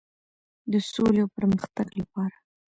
د سولې او پرمختګ لپاره.